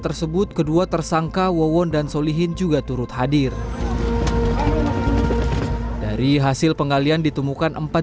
tersebut kedua tersangka wawon dan solihin juga turut hadir dari hasil penggalian ditemukan empat